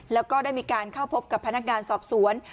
แล้วก็ได้มีการเข้าพบกับพนักงานสอบสวน